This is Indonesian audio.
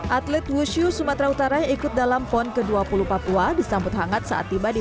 atlet wushu sumatera utara yang ikut dalam pon ke dua puluh papua disambut hangat saat tiba di